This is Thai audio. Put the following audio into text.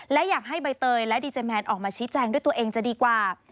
และอยากให้ใบเตยและดีเจแมนออกมาชี้แจงด้วยตัวเองจะดีกว่า